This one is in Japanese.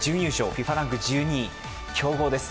ＦＩＦＡランク１２位、強豪です。